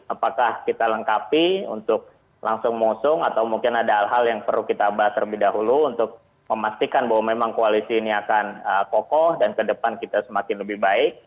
apakah kita lengkapi untuk langsung mengusung atau mungkin ada hal hal yang perlu kita bahas terlebih dahulu untuk memastikan bahwa memang koalisi ini akan kokoh dan ke depan kita semakin lebih baik